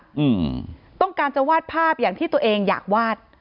อืมต้องการจะวาดภาพอย่างที่ตัวเองอยากวาด